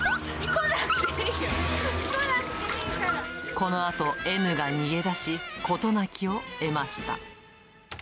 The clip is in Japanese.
このあと、Ｎが逃げ出し、事なきを得ました。